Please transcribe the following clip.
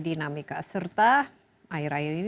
dinamika serta akhir akhir ini